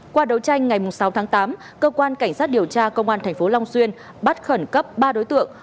qua đấu tranh ngày sáu tháng tám cơ quan cảnh sát điều tra công an tp long xuyên bắt khẩn cấp ba đối tượng